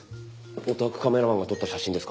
オタクカメラマンが撮った写真ですか？